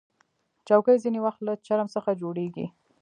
چوکۍ ځینې وخت له چرم څخه جوړیږي.